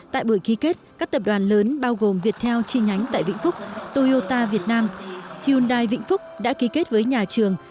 tại buổi ký kết các tập đoàn lớn bao gồm viettel chi nhánh tại vĩnh phúc toyota việt nam hyundai vĩnh phúc đã ký kết với nhà trường